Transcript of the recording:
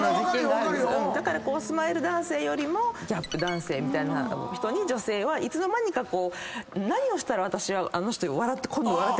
だからスマイル男性よりもギャップ男性みたいな人に女性はいつの間にか何をしたらあの人笑ってくれるんだろう。